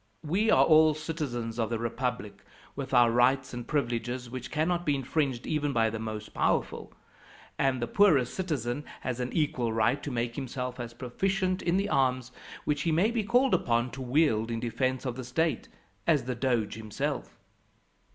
We are all citizens of the republic, with our rights and privileges, which cannot be infringed even by the most powerful; and the poorest citizen has an equal right to make himself as proficient in the arms, which he may be called upon to wield in defence of the state, as the Doge himself.